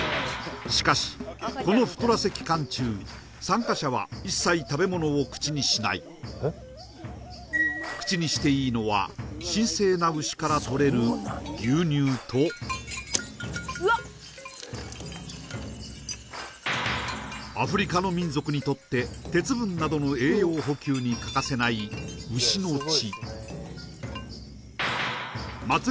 しかしこの太らせ期間中参加者は一切食べ物を口にしない口にしていいのは神聖な牛からとれる牛乳とアフリカの民族にとって鉄分などの栄養補給に欠かせない牛の血